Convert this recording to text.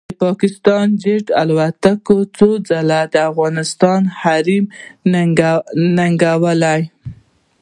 پاکستاني جېټ الوتکو څو ځله د افغانستان حریم ننګولی